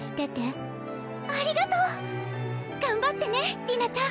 ありがとう！頑張ってね璃奈ちゃん。